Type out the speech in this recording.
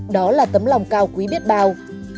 đó là tấm lòng cao quý biết bao